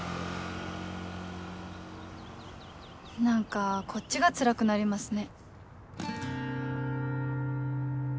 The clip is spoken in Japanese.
何かこっちがつらくなりますね。